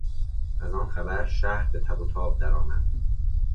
از آن خبر، شهر به تب و تاب درآمد.